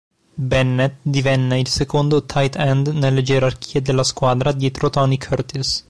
Bennett divenne il secondo tight end nelle gerarchie della squadra dietro Tony Curtis.